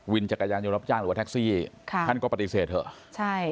จักรยานยนต์รับจ้างหรือว่าแท็กซี่ค่ะท่านก็ปฏิเสธเถอะใช่